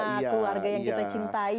keluarga yang kita cintai